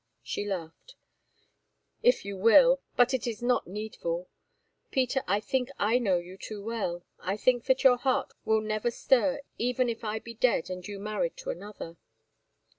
She laughed. "If you will; but it is not needful. Peter, I think that I know you too well; I think that your heart will never stir even if I be dead and you married to another.